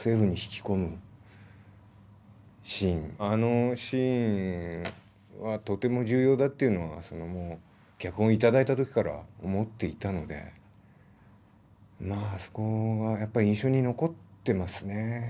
あのシーンはとても重要だっていうのは脚本をいただいたときから思っていたのであそこが印象に残ってますね。